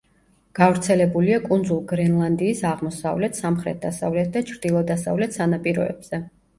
გავრცელებულია კუნძულ გრენლანდიის აღმოსავლეთ, სამხრეთ-დასავლეთ და ჩრდილო-დასავლეთ სანაპიროებზე.